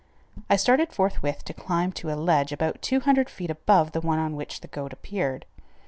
I started forthwith to climb to a ledge about 200 feet above the one on which the goat appeared.